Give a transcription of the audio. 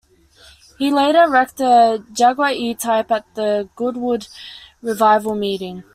He later wrecked a Jaguar E-Type at the Goodwood Revival Meeting.